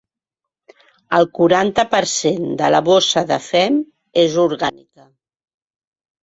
El quaranta per cent de la bossa de fem és orgànica.